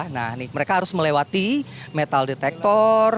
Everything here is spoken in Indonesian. nah ini mereka harus melewati metal detektor